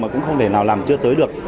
mà cũng không thể nào làm chưa tới được